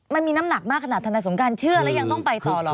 มันมีน้ำหนักมากขนาดธนายสงการเชื่อแล้วยังต้องไปต่อเหรอ